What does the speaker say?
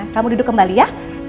kamu duduk kembali ya